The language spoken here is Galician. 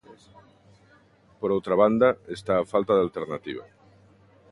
Por outra banda, está a falta de alternativa.